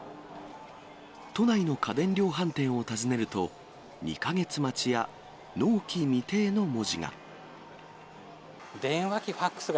都内の家電量販店を訪ねると、２か月待ちや、納期未定の文字が。